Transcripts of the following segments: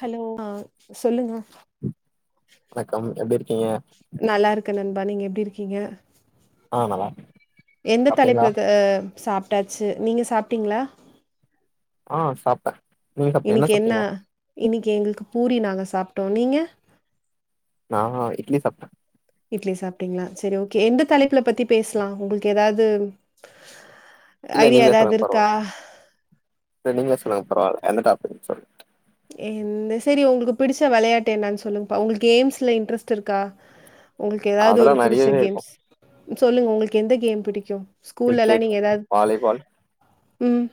Hello ஆ செல்லுங்க வணக்கம் எப்டி இருக்கீங்க நல்லா இருக்கே நண்பா நீங்க எப்டி இருக்கீங்க ஆ நல்லா எந்த சாப்ட்டீங்களா தலைப்புல த அ சாப்ட்டாச்சு நீங்க சாப்ட்டீங்களா ஆ சாப்ட்ட இன்னிக்கு என்ன இன்னிக்கு எங்களுக்கு பூரி நாங்க சாப்ட்டோ நீங்க நானா இட்லி சாப்ட்டே இட்லி சாப்ட்டீங்களா செரி ஓகே எந்த தலைப்புல பத்தி பேச்லா உங்களுக்கு எதாது இல்ல ஐடியா நீங்களே ஏதாது சொல்லுங்க இருக்கா பரவால்ல இல்ல நீங்களே சொல்லுங்க பரவால்ல எந்த டாபிக்னு சொல்லுங் என் சேரி உங்களுக்கு பிடிச்ச வளையாட்டு என்னான்னு சொல்லுங்கப்பா உங்களுக்கு கேம்ஸ்ல இன்ட்ரெஸ்ட் இருக்கா உங்களுக்கு ஏதாவது அதெல்லா ஒரு புடிச்ச நெறையவே இருக்கு கேம்ஸ் சொல்லுங்க உங்களுக்கு எந்த கேம் புடிக்கு ஸ்கூல்ல எல்லா கிரிக்கெட் நீங்க எதா வாலிபால் ம்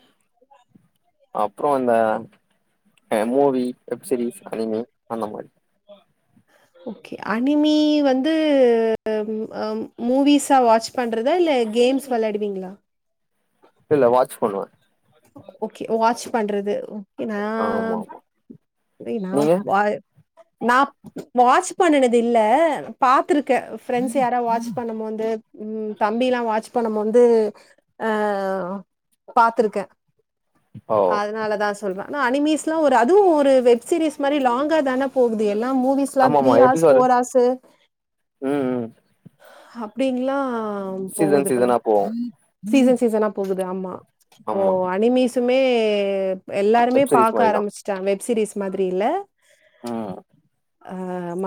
அப்புறோ அந்த எ மூவி வெப் சீரிஸ் அனிமி அந்த மாரி [inaudible] ஓகே அனிமி வந்து ம் அ மூவிஸா வாட்ச் பண்றதா இல்ல கேம்ஸ் வெளாடுவீங்களா இல்ல வாட்ச் பண்ணுவே ஓகே வாட்ச் பண்றது இ நா ஆமா ஆமா இ நா நீங்க வா நா வாட்ச் பண்ணனது இல்ல பாத்துருக்கே ஃப்ரெண்ட்ஸ் யாரா வாட்ச் பண்ணமோது ம் தம்பில்லா வாட்ச் பண்ணமோது ஆ பாத்துருக்கே ஓ அதுனாலதா சொல்றே ஆனா அனிமஸ்லா ஒரு அதுவு ஒரு வெப் சீரீஸ் மாரி லாங்கா தானே போகுது எல்லா மூவிஸ் லா ஆமா த்ரீ ஆமா ஹார்ஸ் எபிசோடு ஃபோர் ஹார்ஸு ம் ம் அப்டின்ல்லா ஆ சீசன் போகுது இப்பல்லா சீசனா போவு சீசன் சீசனா போகுது ஆமா ஓ ஆமா சுமே எல்லாருமே வெப் சீரிஸ் பாக்க மாரிதா ஆரம்பிச்சுட்டாங்க வெப்சீரீஸ் மாரி இல்ல ஆ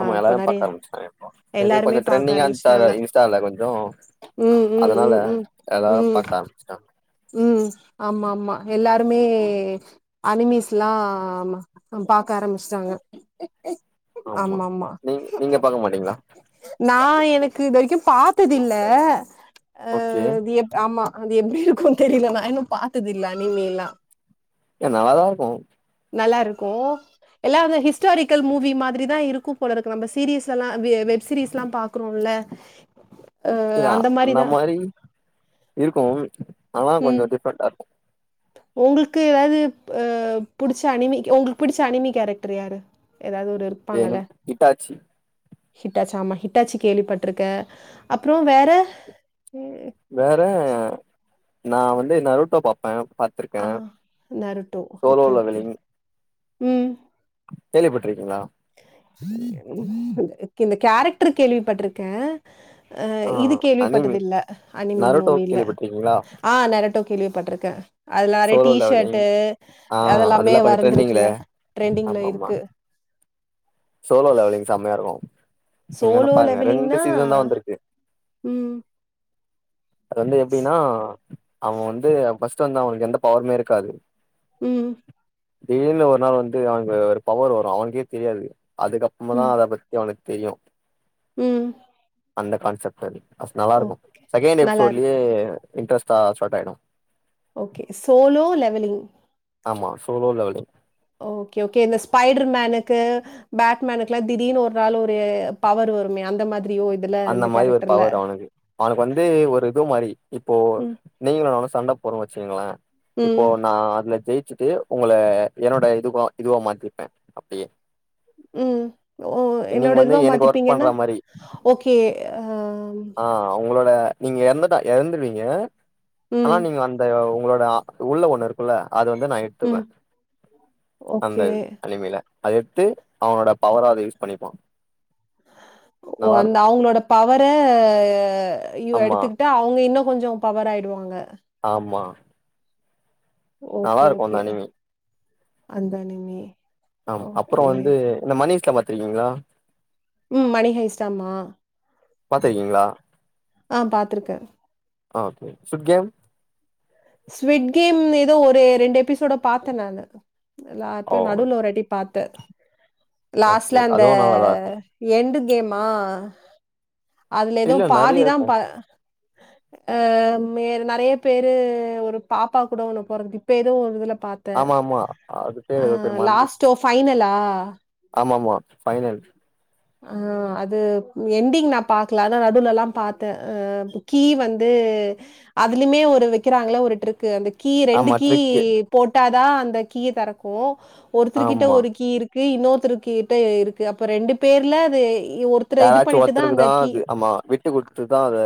ஆமா இப்ப எல்லாருமே நெறைய பாக்க ஆரம்பிச்சுட்டாங்க இப்ப எது எல்லாருமே கொஞ்சொ பாக்க ட்ரெண்டிங்கா இருந்ச்சா அத ஆரம்பிச்சுட்டாங்க இன்ஸ்டால கொஞ்சோ ம் ம் அதனால ம் ம் எல்லாரு ம் பாக்க ஆரம்பிச்சுடாங்க ம் ஆமா ஆமா எல்லாருமே அனிமிஸ்ல்லா பாக்க ஆரம்பிச்சுட்டாங்க ஆமா நீங் நீங்க பாக்க மாட்டீங்களா நா எனக்கு இது வரைக்கு பாத்ததில்ல ஆ ஓகே இது எப் ஆமா அது எப்டி இருக்கு தெரில நா இன்னு பாத்ததில்ல அனிமி எல்லா எ நல்லாதா இருக்கு நல்லா இருக்கு எல்லா அந்த ஹிஸ்டாரிக்கல் மூவி மாதிரிதா இருக்கு போல இருக்கு நம்ப சீரீஸ்ல எல்லா வெ வெப் சீரீஸ்லா பாக்குறோல இ அந்த மாரி இருக்கு ஆனா ம் கொஞ்ச டிஃப்ரெண்டா இருக்கு உங்களுக்கு ஏதாது உ புடிச்ச அனிமி உங்களுக்கு புடிச்ச அனிமி கேரக்டர் யாரு எதாது ஒரு என் இட்டாச்சி ஹிடிட்டாச்சு ஆமா ஹிடிட்டாச்சு கேள்விப்பட்ருக்கே அப்புறோ வேற ஏ வேற நா வந்து நரேட்டோ பாப்பே பாத்திருக்கே ஆ Naruto solo okay okay leveling ம் கேள்விப்பட்டிருக்கீங்களா இந்த கேரக்டர் கேள்வி பட்டுருக்கே அ ஆ இது அனிமி கேள்விப்பட்டது இல்ல அனிமி நருட்டோ மூவில கேள்விப்பட்டிருக்கீங்களா ஆ நரேட்டோ கேள்விப்பட்டிருக்கே அதுல நெறைய சோலோ லெவலிங் ட்டிஷர்ட்டு ஆ அதெல்லாமே அதெல்லா கொஞ்சோ ட்ரெண்டிங்ல வர்ந்துருக்குல ட்ரெண்டிங்ல ஆமா ஆமா இருக்கு சோலோ லெவலிங் செம்மையா இருக்கும் நீங்க வேன சோலோ பாருங்க ரெண்டு லெவலிங்னா சீசன் தான் வந்திருக்கு ம் அது வந்து எப்டின்னா அவன் வந்து ஃபர்ஸ்ட் வந்து அவனுக்கு எந்த பவருமே இருக்காது ம் திடிருன்னு ஒரு நாள் வந்து அவனுக்கு ஒரு பவர் வரும் அவனக்கே தெரியாது அதுக்கப்றம தா ம் அத பத் தி அவனுக்கு தெரியும் ம் அந்த கான்செப்ட்டது அது நல்லாருக்கு ஓகே செகெண்ட் எப்சோட்லியே நல்லாருக்கும். இன்ட்ரஸ்டா ஸ்டார்ட் ஆயிடு ஓகே சோலோ லெவலிங் ஆமா சோலோ லெவலிங் ஓககே ஓககே இந்த ஸ்பைட்ர் மேனுக்கு பேட்மேனுக்லா திடீர்னு ஒர் நாளு ஒரு பவர் வருமே அந்த மாதிரியோ இது அந்த மாரி ஒரு பவர் அவுனுக்கு அவுனுக்கு வந்து ஒரு இது மாரி இப்போ ம், நீங்ளோ நானு சண்ட போடுறோ வெச்சீங்ளே இப்போ ம், நா அதுல ஜெயிச்சிட்டு உங்கள என்னோட இதுவா இதுவா மாத்திப்பே அப்டியே ம். ஓ நீங்க என்னோட வந்து இதுவா எனக்கு ஒர்க் மாத்திப்பீங்கன்னா? பண்றா மாரி ஓகே ஆ உங்ளோட நீங்க எறந்துட்ட எழுந்டுவீங்க ஆனா ம், நீங்க அந்த உங்ளோட ஆ உள்ளோ ஒண்ணு இருக்குல்ல அத வந்து நா எடுத்துக்குவே ம். அந்த ஓகே. அனிமில அத எட்த்து அவனோட பவரா அத யூஸ் பண்ணிப்பா ஓ அந்த நல்லாருக்கு அவுங்ளோட பவரா யு ஆமா எடுத் அவுங்க இன்னு கொஞ்சோ பவர் ஆயிடுவாங்க ஆமா ஓகே நல்லாருக்கு ஓகே அந்த அனிமி அந்த அனிமி ஆ அப்றோ ஓகே. வந்து இந்த மணிஷ்ல பாத்ருக்கீங்ளா ம் மணிகயிஸ்டமா பாத்யிருக்கீங்ளா ஆ பாத்துருக்கே okay squid game squid game ஏதோ ஒரு ரெண்டே எபிசோட பாத்தே நானு ஓ எல்லாருப்பே நடுவுல ஒரு வாட்டி பாத்தே ஓகே லாஸ்ட்ல அந்த அதுவு நல்லாதா இருக்கு எண்டு கேமா அதுல ஏதோ இல்ல நெறைய பாதிதா இருக்கு பா ஆ மேரு நெறைய பேரு ஒரு பாப்பா கூட ஒன்னு பொறக்குது இப்பே ஏதோ ஒரு இதுல பாத் தே ஆமா ஆமா அது பேர் ஏதோ பேர் மறந்துருச்சு லாஸ்டோ ஃபைனலா ஆமா ஆமா ஃபைனல் ஆ அது என்டிங் நா பாக்ல ஆனா நடூவ்ல்ல பாத்தே கீ வந்து அதுலேமே ஒரு வெக்கிறாங்ளே ஒரு டிர்க்கு அந் கீ ரெண்டு ஆமா கீ ட்ரிக்கு போட்டாதா அந்த கீய தெறக்கு ஒருத்திரு கிட்ட ஆமா ஒரு கீ இருக் கு இன்னொருத்தருக்கிட்ட இருக்கு அப்ப ரெண்டு பேர்ல அது ஒருத் யாராச்சு ஒத்தருக்குதா அது ஆமா விட்டு குடுத்துதா அத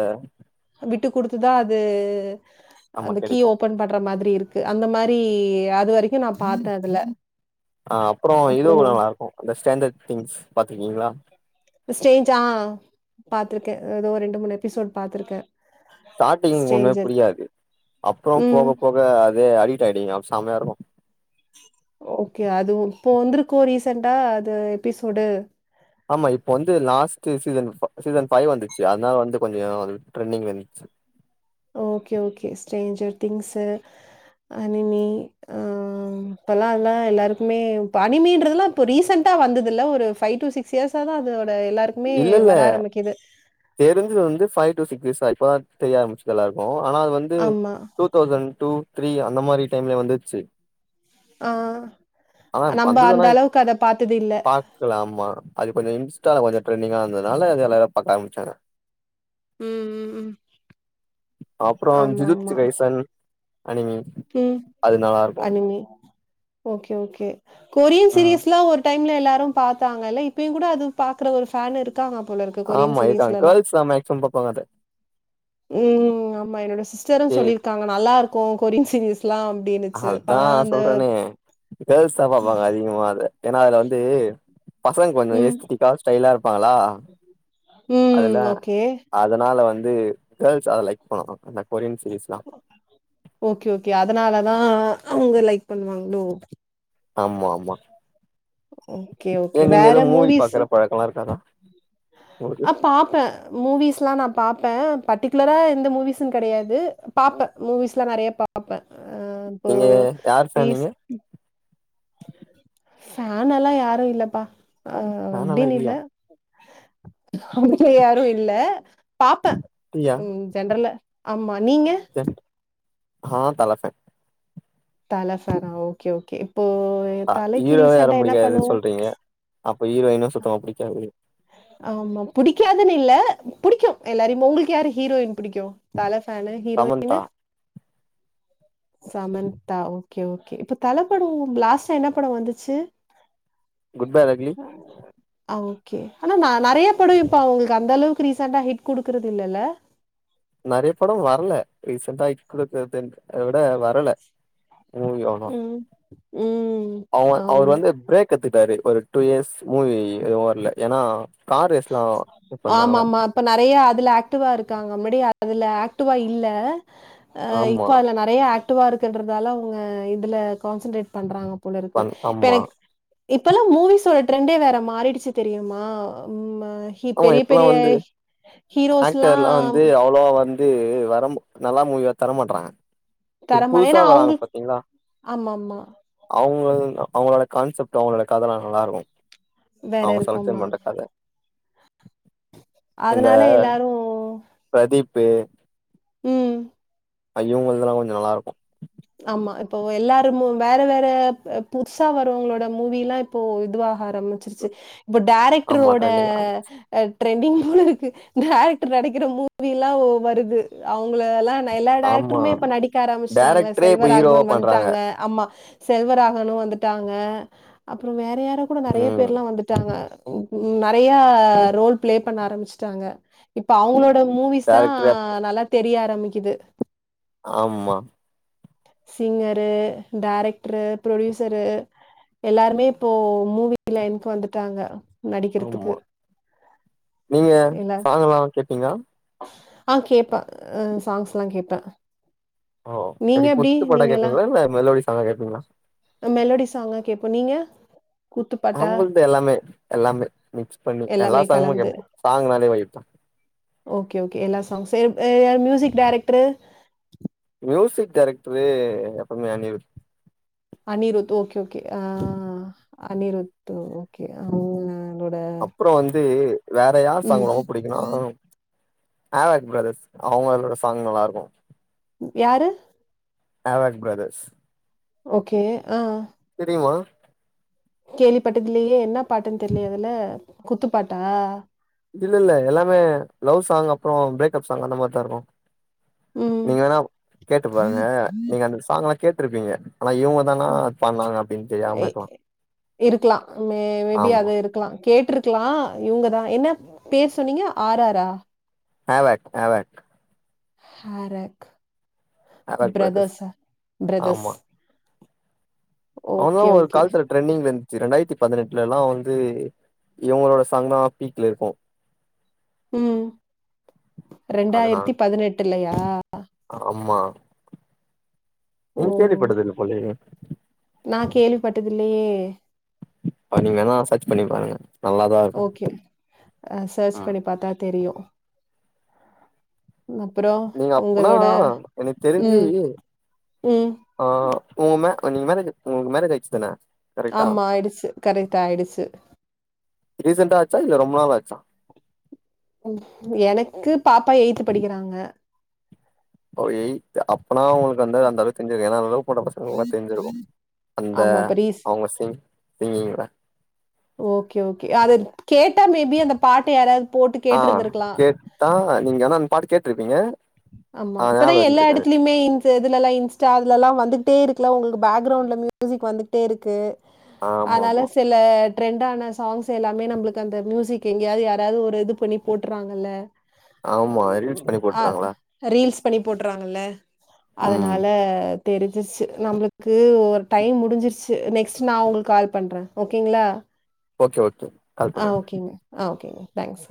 விட்டு குடுத்துதா அது ஆமா அந்த கீய கெடைக்கு ஓபன் பண்ற மாதிரி இருக் கு அந்த மாரி அது வரைக்கு நா பாத்த அதுல அ அப்றோ இதுவு நல்லாருக்கு அந்த ஸ்டாண்டடு திங்ஸ் பாத்ருக்கீங்களா ஸ்டேஜா பாத்ருக்க ஏதோ ஒரு ரெண்டு மூணு எப்பிசோட் பாத்ருக்க ஸ்டாட்டிங் ஒன்னுமே புரியாது அப்றோ ம் போக போக அதே அடிட் ஆயிடுவீங்க அப் சமையாயிருக்கு ஓகே அது இப்போ வந்திருக்கோ ரீசன்டா அது எப்பிசோடு ஆமா இப்ப வந்து லாஸ்ட்டு சீசன் சீசன் ஃபைவ் வந்துச்சு அத்னால் வந்து கொஞ்சோ ட்ரெண்டிங்ல நின்னுச்சு okay okay stranger things anime ஆ இப்பல்லா அதுலா எல்லாருக்குமே இப்ப அனிமீன்றதுலா இப்ப ரீசண்டா வந்ததுல்ல ஒரு ஃபைய் டு சிக் ஸ் இயஸ்சாதா அதோட எல்லாருக் இல்லல்ல தெரிஞ்சிது வந்து ஃபைவ் டு சிக்ஸ் இயசா இப்பதா தெரிய ஆரம்பிச்சிது எல்லாருக்கு ஆனா அது வந்து ஆமா. டூ தௌசண்ட் டூ த்ரீ அந்த மாரி டைம்லே வந்துச்சி ஆ ஆனா நம்ம அந்த அளவுக்கு அத பாத்தது இல்ல இருகலா ஆமா அது கொஞ்ச இன்ஸ்டால கொஞ்ச ட்ரெண்டிங் கானதுனால அது எல்லாரு பாக்க ஆரம்பிச்சாங்க ம், ம், ம். அப்பற ஜில்த்து ஆமாமா. ரைசன் அனிமி ம் அணிமி ஓகே ஓகே கொரியன் ம் சீரியஸ்ல்ல ஒரு ஒரு டைம்ல எல்லாரு பாத்தாங்க இல்ல இப்பயு கூட அது பாக்குற ஒரு ஃபேன் இருக்காங்க போல இருக்கு கொரியன் ஆமா சீரியஸ்ல எல்லா [unintelligible] ம் ஆமா என்னோட சிஸ்டரு ஏ சொல்லியிருக்காங்க நல்லா இருக்கு கொரியன் சிரியஸ் எல்லா அப்டின்னு அதா நா சொல்றனே கேர்ள்ஸ் தா பாப்பாங்க அதிகமா அதா ஏன்னா அதுல வந்து பசங்க கொஞ்ச ம் எஸிட்டிக்கா ஸ்டைலா இருப்பாங்களா ம் அதுல ஓகே அதனால வந்து கேர்ள்ஸ் அத லைக் பண்ணணு அந்த கொரியன் சீரீயஸ் னா ஓகே ஓகே அதனாலதா அவங்க லைக் பண்ணுவாங்களோ ஆமா ஆமா ஓகே ஓகே ஏய நீங்க வேற ஏதோ மூவி பாக்குற பழக்க எல்லா இருக்காதா உங்களுக்கு அ பாப்ப மூவிஸ் எல்லா நா பாப்ப பர்டிகுலரா எந்த மூவிஸ்ன்னு கிடையாது பாப்ப மூவிஸ்லா நெறைய பாப்ப நீங்க யார் ஃபேன் நீங்க ஃபேனெல்லா யாரு இல்லப்பா அ நானாலா அப்டினு இல்ல இல்லையா அவங்க யாரு இல்ல பாப்ப நீயா ம் சென்ட்ரல ஆமா நீங்க தென் ஆ தல ஃபேன் தல ஃபேன்னா ஓகே ஓகே இப்போ தலைக்கு ஹீரோவோ யாரு ரீசெண்டா என்ன பிடிக்காதுன்னு பண்ணுவோம் சொல்றீங்க அப்ப ஹீரோயுன்னு சுத்தமா பிடிக்காது ஆமா புடிக்காதுன்னு இல்ல புடிக்கு எல்லாருமே உங்களுக்கு யாரு ஹீரோயின் பிடிக்கு தலஃபேன்னு Samantha heroine Samantha okay okay இப்ப தலப்பட லாஸ்ட்டு என்ன பட வந்துச்சு குட் பேட் அகிலி ஓகே ஆனா ந நெறைய பட இப்ப அவங்களுக்கு அந்த அளவுக்கு ரீசெண்டா ஹிட் குடுக்குறது இல்லல்ல நெறய பட வரல ரீசெண்ட்டா இருக்கிறத விட வரல மூவிக் அவ்ளதா ம் ம் அவ அவரு ஆமா வந்து ப்ரேக் எடுத்துக்டாரு ஒரு டூ இயர்ஸ் மூவி எதுவு வரல ஏன்னா கார் ரேஸ்லா இது பண்றாங்கள ஆமாமா. இப்ப நெறையா அதுல ஆக்டிவா இருக்காங்க முன்னாடி அதுல ஆக்டிவா இல்ல அ ஆமா இப்ப அதுல நெறைய ஆக்டிவா இருக்குன்றதால அவங்க இதுல கான்சன்ட்ரேட் பண்றாங்க போல இருக்கு பண் இப்ப ஆமா எனக் இப்பல்லா மூவிஸோட ட்ரெண்டே வேற மாறிடுச்சு தெரியுமா ம் ஹி ஆமா பெரிய இப்பல்லா பெரிய வந்து ஆக்டர்லா ஹீரோஸ்லாம் வந்து அவ் ளா வந்து வர நல்ல மூவியா தர மாட்றாங்க இப்ப தரமா புதுசா ஏன்னா வராங்க அவங்களுக்கு பாத்தீங்ளா ஆமாமா. அவங்க இது அவங்களோட கான்செப்ட் அவங்களோட கதலா நல்லாருக்கு வேற அவங்க செலெக்ஷன் இருக்கும்மா. பண்ற கத இந்த அதனால எல்லாரும் ப்ரதீப்பு ம் அ இவவுங்குள்துலா கொஞ்ச நல்லாருக்கு ஆமா இப்போ எல்லாரு வேற வேற புதுசா வரவங்களோட மூவிலா இப் இப்போ இதுவாக ஆரம்பிச்சிருச்சு இப்ப ஆமா டேரக்ரோட ட்ரெண்டிங் அ ட்ரெண்டிங் போல இருக்கு டேரக்டர் நடிக்கிற மூவிலா வருது அவங்ளலா எல்லா ஆமா டேரக்டருமே இப்ப நடிக்க ஆரம்பிச்சிட்டாங்ள டேரக்டரே இப்ப ஹீரோவா செல்வராகவன் பண்றாங்க வந்துட்டாங்க அ ஆமா செல்வராகனு வந்துட்டாங்க அப்ற வேற யாரு இப்ப கூட நெறைய ம் பேர்லா வந்துட்டாங்க ம் ம் நெறைய ரோல் ப்ளே பண்ண ஆரம்பிச்சுட்டாங்க இப்ப அவுங்ளோட மூவிஸ்தா டேரக்டரே நல்லா தெரிய ஆரம்பிக்கிது ஆமா சிங்கரு டேரக்ட்ரு ப்ரொடியூசரு எல்லாருமே இப்போ மூவி லைன்க்கு வந்துட்டாங்க நடிக்கறத்துக்கு ஆமா நீங்க சாங்கலா கேப்பீங்ளா ஆ கேப்பே சாங்ஸ்லா கேப்பே ஓ எப்டி குத்துபாட்டா கேப்பீங்ளா இல்ல மெலோடி சாங்கா கேப்பீங்ளா அ மெலோடி சாங்கா கேப்பே நீங்க குத்துப்பாட்டா? நம்பள்த எல்லாமே எல்லாமே மிக்ஸ் பண்ணி எல்லா எல்லாமே சாங்குமு கலந்து. கேப்போ சாங்னாலே வைப்த்தா ஓகே ஓகே எல்லா சாங்ஸ் எப் எ மியூசிக் ட டேரக்ட்ரு ம்யூசிக் டேரக்ட்ரு எப்பமே அனிருத் அனிருத் ஓகே ஓகே அ அனிருத் ஓகே அ அப்ற வந்து வேற யார் ம். சாங் ரொம்ப புடிக்குனா ஆவக் ப்ரதர்ஸ் அவங்களோட சாங் நல்லாருக்கு யாரு ஆவக் ப்ரதர்ஸ் ஓகே அ தெரியுமா கேள்விப்பட்டதில்லயே என்ன பாட்டுன் தெரிலியே அதுல குத்து பாட்டா இல்லல்ல எல்லாமே லவ் சாங் அப்ற ப்ரேக்ப் சாங் அந்த மார்தா இருக்கு ம். நீங்க வேணா கேட்டு பாருங்க நீங்க அந்த சாங்லா கேட்ருப்பீங்க ஆனா இவுங்க ம் எ இருக்கலா மே மேபி ஆமா அது இருக் க்லா கேட்ருக்லா இவங்கதா என்ன பேர் சொன்னீங்க ஆராரா ஆவக் ஆவக் ஹாரக் ஆவாக் பிரதர்ஸ் ப்ரதர்ஸா ப்ரதர்ஸ் அவுங்கதா ஒரு ஓகே. கால் தர ட்ரென்டிங்ல இந்துச்சு ரெண்டாயிரத்து பதினெட்லலா வந்து இவுங்களோட சாங்தா பீக்ல இருக்கு ம் அது நா ரெண்டாயிரத்தி பதினெட்டுலயா ஆமா நீங் கேள்விப்பட்டதில்ல போலயே நா கேள்விப்பட்டதில்லயே அத நீங்க வேணா சர்ச் பண்ணி பாருங்க நல்லாதா இருக்கு ஓகே அ சர்ச் ம். பண்ணி பாத்தா தெரியு அப்பறோ நீங்க அப்பனா ஒங்களோட எனக்கு ம் ம் அ ஒங்க மே நீங்க மேரேஜ் ஒங்குளுக் மேரேஜ் ஆயிருச்சு தான கரெக்டா ஆமா ஆயிடுச்சு கரெக்ட்டு ஆயிடுச்சு ரீசண்ட்டா ஆச்சா இல்ல ரொம்ப நாளாச்சா எனக்கு பாப்பா எயித்து படிக்கிறாங்க ஒ எய்த்து அப்பனா ஒங்களுக்கு அந்த அந்தளவு தெரிஞ்சாது ஏனா லவ் பண்ற பசங்களக்லா தெரிஞ்சுருக்கு அந்த ஆமா. அப்ப ரீஸ் அவுங்க சிங் சிங்கிங்லா ஓகே ஓகே அத கேட்டா மேபி அந்த பாட்ட யாராது ஆ கேட்டா நீங்க ஆனா அந்த பாட்டு கேட்ருப்பீங்க ஆமா இப்பதா எல்லா எடத்துலியுமே தே இதுலலா இன்ஸ்டா அதுலலா வந்துகிட்டே இருக்குல ஒங்குளுக்கு பேக்ரவுண்ட்ல மியூசிக் வந்துகிட்டே இருக்கு ஆமா ஆமா அனால சே ல ட்ரெண்டான சாங்ஸ் எல்லாமே நம்புளுக்கு அந்த மியூசிக் எங்யாது யாராது ஒரு இது பண்ணி போட்டுறாங்கல்ல ஆமா ரீல்ஸ் பண்ணி அ போட்றாங்கல்ல ரீல்ஸ் பண்ணி போட்டுறாங்கல ம் அதனால அ தெரிஞ்சுச்சு நம்புளுக்கு ஒரு டைம் முடிஞ்சிருச்சு நெக்ஸ்ட் நா உங்ளுக்கு கால் பண்ணுறே ஓகேங்ளா ஓகே ஓகே கால் ஆ பண்ணுங்க ஓகேங்க ஆ ஓகேங்க தேங்க்ஸ்